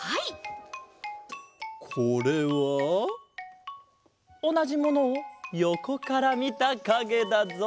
これはおなじものをよこからみたかげだぞ。